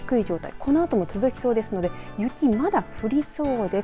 このあとも続きそうですので雪、まだ降りそうです。